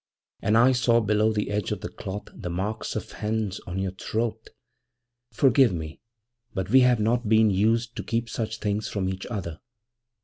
And I saw below the edge of the cloth the marks of hands on your throat forgive me, but we have not been used to keep such things from each other.